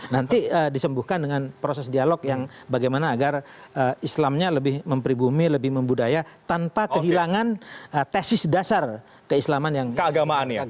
nanti disembuhkan dengan proses dialog yang bagaimana agar islamnya lebih mempribumi lebih membudaya tanpa kehilangan tesis dasar keislaman yang keagamaan